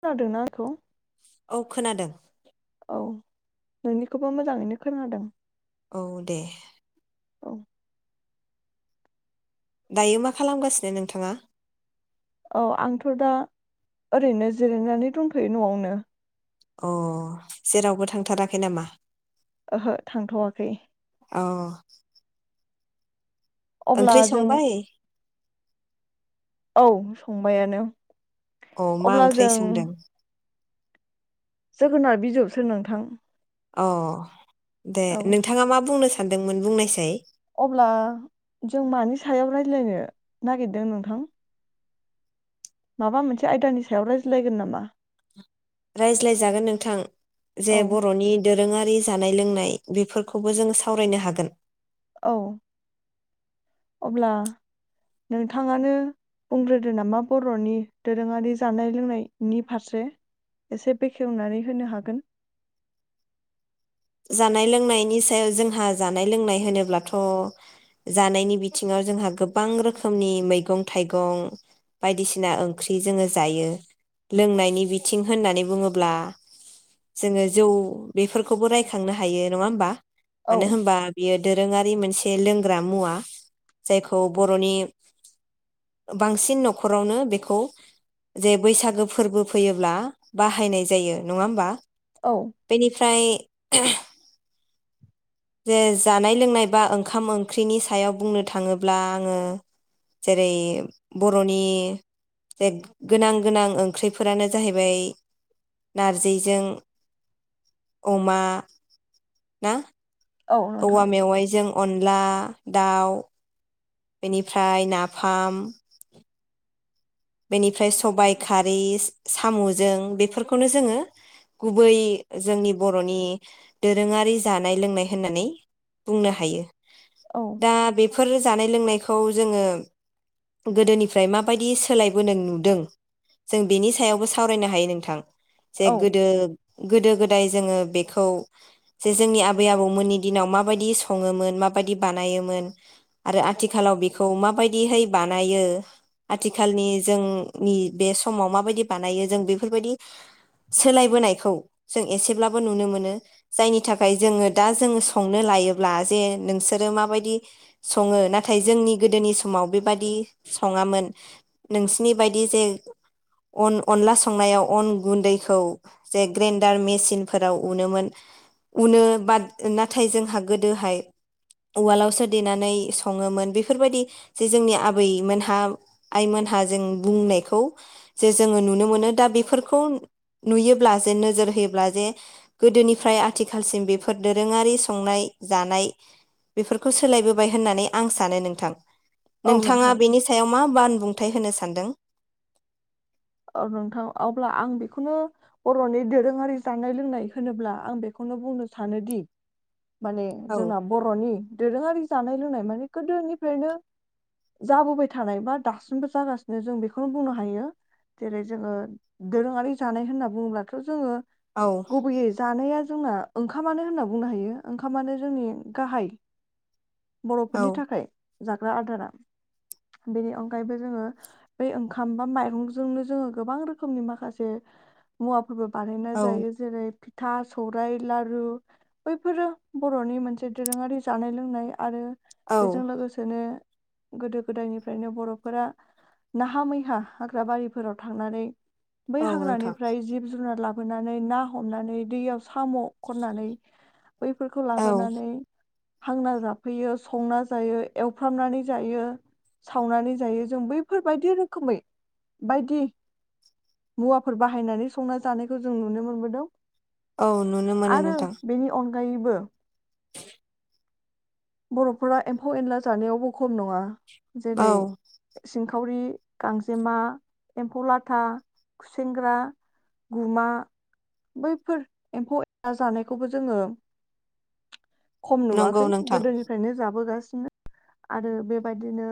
खोनादोंना आंखौ? औ खोनादों। औ नोंनिखौबो मोजाङैनो खोनादों। औ दे। औ। दायो मा खालामगासिनो नोंथाङा? औ आंथ' दा ओरैनो जिरायनानै दंथ'यो न'आवनो। अ जेरावबो थांथाराखै नामा? ओहो थांथ'वाखै। अ। अब्ला ओंख्रि जों संबाय? औ संबायानो। अ मा अब्ला ओंख्राय जों सोंदों? जोगोनार बिजौसो नोंथां। अ दे औ नोंथाङा मा बुंनो सान्दोंमोन बुंनायसाय। अब्ला जों मानि सायाव रायलायनो नागिरदों नोंथां? माबा मोनसे आयदानि सायाव रायज्लायगोन नामा? रायज्लायजागोन नोंथां जे औ बर'नि दोरोङारि जानाय लोंनाय बेफोरखौबो जोंङो सावरायनो हागोन। औ। अब्ला नोंथाङानो बुंग्रोदो नामा बर'नि दोरोङारि जानाय लोंनायनि फारसे एसे बेखेवनानै होनो हागोन। जानाय लोंनायनि सायाव जोंहा जानाय लोंनाय होनोब्लाथ' जानायनि बिथिङाव जोंहा गोबां रोखोमनि मैगं थाइगं बायदिसिना ओंख्रि जोङो जायो। लोंनायनि बिथिं होननानै बुङोब्ला जोङो जौ बेफोरखौबो राय खांनो हायो। नङा होमबा? औ मानो होमबा बियो दोरोङारि मोनसे लोंग्रा मुवा। जायखौ बर'नि बांसिन न'खरावनो बेखौ जे बैसागो फोरबो फैयोब्ला बाहायनाय जायो। नङा होमबा? औ बेनिफ्राय [unintelligible] जे जानाय लोंनाय बा ओंखाम ओंख्रिनि सायाव बुंनो थाङोब्ला आङो जेरै बर'नि जे गोनां गोनां ओंख्रिफोरानो जाहैबाय नारजिजों अमा ना औ नोंथां औवा मेवाइजों अनला दाउ बेनिफ्राय नाफाम बेनिफ्राय सबाय खारि साम'जों बेफोरखौनो जोङो गुबै जोंनि बर'नि दोरोङारि जानाय लोंनाय होननानै बुंनो हायो। औ दा बे फोर जानाय लोंनायखौ जोङो गोदोनिफ्राय मा बायदि सोलायबोनाय नुदों जों बेनि सायावबो सावरायनो हायो नोंथां। जे औ गोदो गोदो गोदाय जोङो बेखौ जे जोंनि आबै आबौमोननि दिनाव माबायदि सङोमोन माबायदि बानायोमोन आरो आथिखालाव बेखौ माबायदिहै बानायो आथि खालनि जोंनि बे समाव माबायदि बानायो जों बेफोरबायदि सोलायबोनायखौ जों एसेब्लाबो नुनो मोनो। जायनि थाखाय जोङो दा जोङो संनो लायोब्ला जे नोंसोरो माबायदि सङो नाथाय जोंनि गोदोनि समाव बेबादि सङामोन। नोंसिनि बायदि जे अन अनला संनायाव अन गुन्दैखौ जे ग्रेनदार मेचिनफोराव उनोमोन उनो बाट नाथाय जोंहा गोदोहाय उवालावसो देनानै सङोमोन बेफोरबायदि जे जोंनि आबैमोनहा आइमोनहा जों बुंनायखौ जे जोङो नुनो मोनो दा बेफोरखौ नुयोब्ला जे नोजोर होयोब्ला जे गोदोनिफ्राय आथिखालसिम बेफोर दोरोङारि संनाय जानाय बेफोरखौ सोलायबोबाय होननानै आं सानो नोंथां। औ नोंथाङा नोंथां बेनि सायाव मा बान बुंथाय होनो सानदों ओं नोंथां अब्ला आं बेखौनो बर'नि दोरोङारि जानाय लोंनाय होनोब्ला आं बेखौनो बुंनो सानोदि माने औ जोंना बर'नि दोरोङारि जानाय लोंनाय मा नि गोदोनिफ्रायनो जाबोबाय थानाय बा दासिमबो जागासिनो जों बेखौनो बुंनो हायो जेरै जोङो दोरोङारि जानाय होनना बुङोब्लाथ' जोङो औ गुबैयै जानाया जोंना ओंखामानो होनना बुंनो हायो ओंखामानो जोंनि गाहाय औ बर'फोरनि थाखाय जाग्रा आदारा बेनि अनगायैबो जोङो बै ओंखाम बा माइरं जोंनो जोङो गोबां रोखनि माखासे मुवा फोरबो बानायना औ जायो जेरै फिथा सौरायाइ लारु बैफोरो बर'नि मोनसे दोरोङारि जानाय लोंनाय आरो औ बेजों लोगोसेनो गोदो गोदायनिफ्रायनो बर'फोरा नाहा मैहा हाग्रा बारि फोराव थांनानै बै औ नोंथां हाग्रानिफ्राय जिब जुनार लाबो फोनानै ना हमनानै दैयाव साम' खननानै बैफोरखौ औ लाबोनानै हांना जाफैयो संना जायो एवफ्रामनानै जायो सावनानै जायो जों बैफोरबायदि रोखोमै बायदि मुवाफोर बाहायनानै संना जानायखौ जों नुनो मोनबोदों औ नुनो मोनो नोंथां गैबो बर'फोरा एम्फौ एनला जानायावबो खम नङा औ जेरै सिंख ाखावरि गांजेमा एम्फौ लाथा खुसेेंग्रा गुमा बैफोर एम्फौ जानायखौबो जोङो खम नंगौ नुवाखै नोंथां गोदोनिफ्रायनो जाबोगासि आरो बेबायदिनो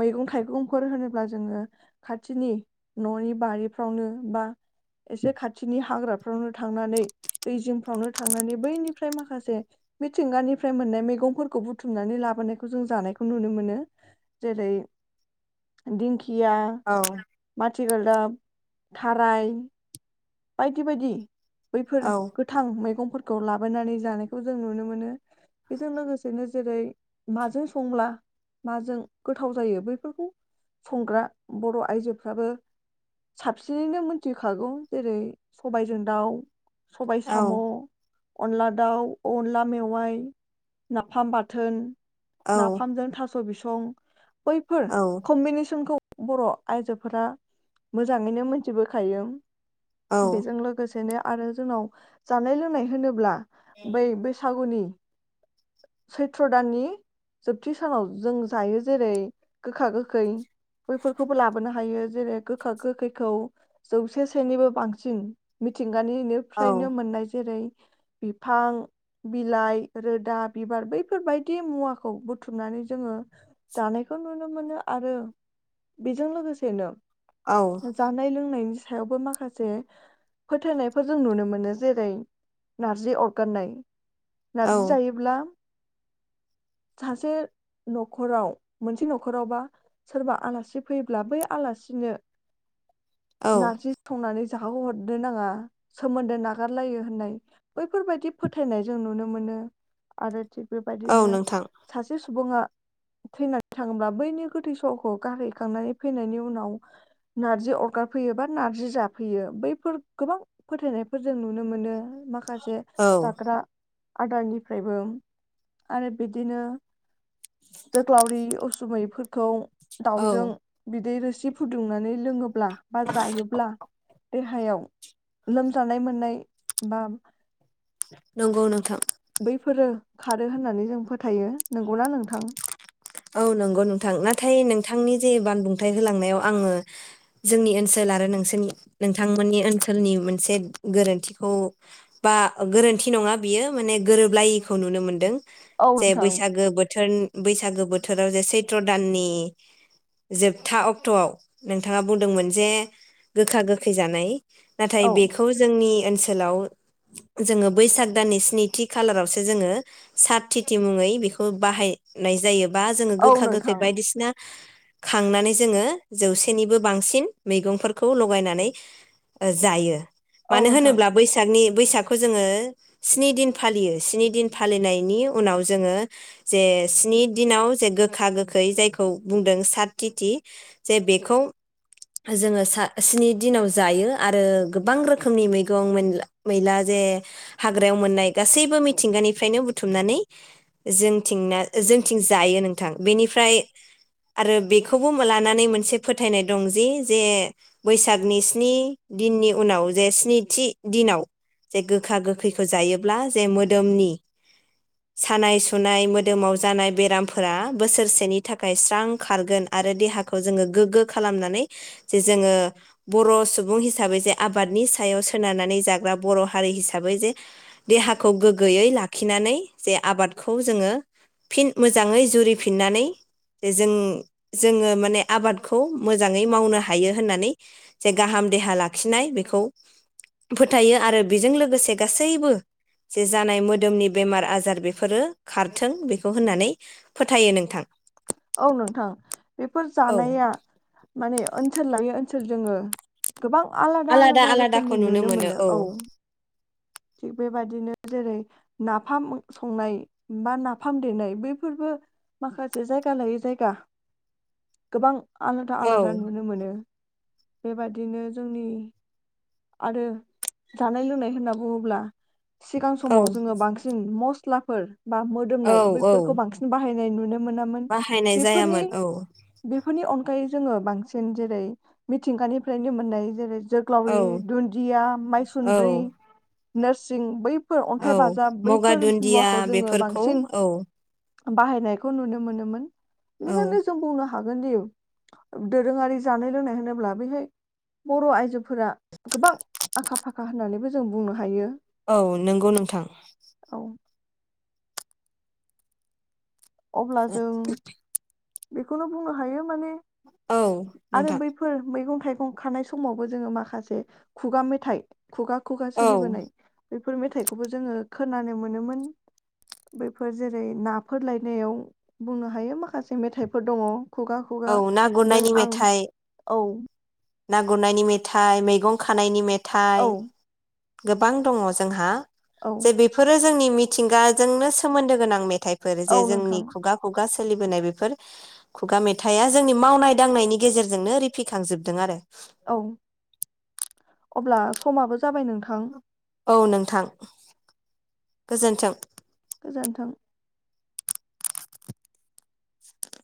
मैगं थाइगंफोर होनोब्ला जोङो खाथिनि न'नि बारिफ्रावनो बा एसे खाथिनि हाग्राफ्रावनो थांनानै दै जिंफ्रावनो थांनानै बैनिफ्राय माखासे मिथिंगानिफ्राय मोननाय मैगंफोरखौ बुथुमनानै लाबोनायखौ जों जानायखौ नुनो मोनो जेरै दिंखि थिया औ खाथि गोलदाब थाराइ बायदि बायदि बैफोर औ गोथां मैगं फोरखौ लाबायनानै जानायखौ जों नुनो मोनो बेजों लोगोसेनो जेरै माजों संब्ला माजों गोथाव जायो बैफोरखौ संग्रा बर' आइजोफ्राबो साबसिनैनो मिथिखागौ जेरै सबायजों दाउ सबाय औ साम' अनला दाउ अनला मेवाइ नाफाम बाथोन औ नाफामजों थास स बिसं बैफोर औ कम्बिनेसनखौ बर' आइजोफोरा मोजाङैनो मोनथिबोखायो बेजों औ लोगोसेनो आरो जोंनाव जानाय लोंनाय होनोब्ला बै बैसागुनि सैथ्र दाननि जोबथि सानाव जों जायो जेरै गोखा गोखै बैफोरखौबो लाबोनो हायो जेरै गोखा गोखैखौ जौ से सेनिबो बांसिन मिथि थिंगानिनिफ्रायनो मोननाय जेरै बिफां बिलाइ रोदा बिबार बैफोरबायदि मुवाखौ बुथुमनानै जोङो जानायखौ नुनो मोनो आरो बेजों लोगोसेनो औ जानाय लोंनायनि सायावबो माखासे फोथायनायफोर जों नुनो मोनो जेरै नारजि अरगारनाय नारजि औ जायोब्ला सासे न'खराव मोनसे न'खरावबा सोरबा आलासि फैयोब्ला बै आलासिनो औ नारजि संनानै जाहो हरनो नाङा सोमोन्दो नागारलायो होननाय बैफोरबायदि फोथायनाय जों नुनो मोनो आरो थिग औ बेबायदिनो नोंथां सासे सुबुङा थैनानै थाङोब्ला बैनि गोथै सहखौ गारहैखांनानै फैनायनि उनाव नारजि अरगा फैयो बा नारजि जाफैयो बैफोर गोबां फोथायनायफोर जों नुनो मोनो माखासे औ जाग्रा आदारनिफ्रायबो आरो बिदिनो जोग्लावरि उसुमैफोरखौ दाउजों औ बिदै रोसि सि फुदुंनानै लोङोब्ला बा जायोब्ला देहायाव लोमजानाय मोननाय बा नंगौ नोंथां बैफोरो खारो होननानै जों फोथायो नंगौना नोंथां औ नंगौ नोंथां नाथाय नोंथांनि जे बानबुंथाय होलांनायाव आङो जोंनि ओनसोल आरो नोंसोरनि नोंथांमोननि ओनसोलनि मोनसे गोरोन्थिखौ बा गोरोन्थि नङा बियो माने गोरोबलायैखौ नुनो मोनदों औ जे नोंथां बैसागो बोथोर बैसागो बो बोथोराव जे सैत्र दाननि जोबथा अक्ट'आव नोंथाङा बुंदोंमोन जे गोखा गोखै जानाय नाथाय औ बेखौ जोंनि ओनसोलाव जोङो बैसाग दाननि स्निथि खालारावसो जोङो साथिथि मुङै बेखौ बाहायनाय जायो बा जोङो औ गोखा गोखै नोंथां बायदिसिना खांनानै जोङो जौसेनिबो बांसिन मैगंफोरखौ लगायनानै जायो औ मानो नोंथां होनोब्ला बैसागनि बैसागखौ जोङो स्नि दिन फालियो स्नि दिन फालिनायनि उनाव जोङो जे स्नि दिनाव जे गोखा गोखै जायखौ बुंदों सात तिथि जे बेखौ जोङो स्नि दिनाव जायो आरो गोबां रोखोमनि मैगं मैला जे हाग्रायाव मोननाय गासैबो मिथिंगानिफ्रायनो बुथुमनानै जोंथिं थिं जायो नोंथां बेनिफ्राय फ्राय आरो बेखौबो लानानै मोनसे फोथायनाय दं जि जे बैसागनि स्नि दिननि उनाव जे स्निथि दिनाव जे गोखा गोखैखौ जायोब्ला जे मोदोमनि सानाय सुनाय मोदोमाव जानाय बेरामफोरा बोसोरसेनि थाखाय स्रां खारगोन आरो देहाखौ जोङो गोग्गो खालामनानै जे जोङो बर' सुबुं हिसाबै जे आबादनि सायाव सोनारनानै जाग्रा बर' हारि हिसाबै जे देहाखौ गोग्गोयै लाखिनानै जे आबादखौ जोङो फिन मोजाङै जुरिफिननानै जों जों जोङो माने आबादखौ मोजाङै मावनो हायो होननानै जे गाहाम देहा लाखिनाय बेखौ फोथायो आरो बेजों लोगोसे गासैबो जे जानाय मोदोमनि बेमार आजार बेफोरो खारथों बेखौ होननानै फोथायो नोंथां औ नोंथां बेफोर औ जानाया माने ओनसोल लायो ओनसोल जोङो गोबां आलादा आलादा रोखोमनि नुनो मोनो औ थिग बेबादिनो जेरै नाफाम ओ संनाय बा नाफाम देनाय बैफोरबो माखासे जायगा लायै जायगा गोबां आलादा औ आलादा नुनो मोनो बेबादिनो जोंनि आरो जानाय लोंनाय होनना अब्ला सिगां औ समाव जोङो बांसिन म सिख्लाफोर बा औ मोदोमनाय औ बैफोरखौ बांसिन बाहाय होनाय नुनो मोनो बाहायनाय जायामोन औ बेफोरनि अनगायै जोङो बांसिन जेरै मिथिंगानिफ्रायनो मोननाय जेरै औ जोग्लावरि दुन्दिया माइसुन्द्रि नोरसिं अन्थाइ ओव बाजाब मगा बैफोर दुन्दिया मुवाखौ जोङो बेफोरखौ बांसिन औ बाहायनायखौ नुनो मोनोमोन औ बिनिखायनो जोंबो हागोनदि दोरोङारि जानाय लोंनाय होनोब्ला बैहाय बर' आइजोफोरा गोबां आखा फाखा होननानैबो जों बुंनो हायो हायो औ नोंगौ नोंथां औ अब्ला जों बेखौनो बुंनो हायो माने औ आरो नोंथां बैफोर मैगं थाइगं खानाय समावबो जोङो माखासे खुगा मेथाइ खुगा खुगा औ सोलिबोनाय बेफोर मेथाइखौबो जोङो खोनानो मोनोमोन बैफोर जेरै नाफोर लाय नायाव बुंनो हायो माखासे मेथाइफोर दङ खुगा औ खुगा ना नों गुरनायनि आं मेथाइ ओव ना गुरनायनि मेथाइ मैगं खानायनि मेथाइ औ थाइ गोबां दङ जोंहा औ जे बेफोरो जोंनि मिथिंगाजोंनो सोमोन्दो गोनां मेथाइ फोर औ जे नोंथां जोंनि खुगा खुगा सोलिबोनाय बेफोर खुगा मे होथाया जोंनि मावनाय दांनायनि गेजेरजोंनो रिफिखांजोबदों आरो औ अब्ला समाबो जाबाय नोंथां औ नोंथां गोजोन्थों गोजोन्थों